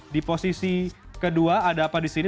di posisi kedua ada apa di sini